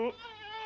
aku sangat penat